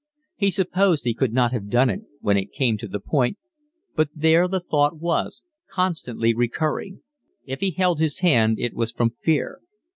He supposed he could not have done it when it came to the point, but there the thought was, constantly recurring: if he held his hand it was from fear.